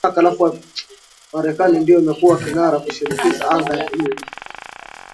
marekani ndio imekuwa kinara kushinikiza anga ya libya